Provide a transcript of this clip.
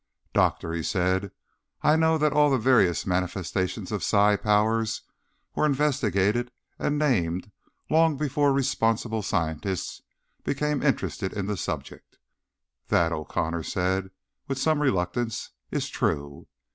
"Doctor," he said, "I know that all the various manifestations of the psi powers were investigated and named long before responsible scientists became interested in the subject." "That," O'Connor said with some reluctance, "is true."